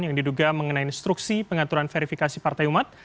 yang diduga mengenai instruksi pengaturan verifikasi partai umat